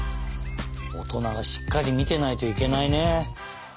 おとながしっかりみてないといけないね。